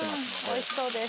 おいしそうです。